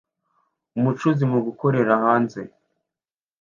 Umucuzi mu gukorera hanze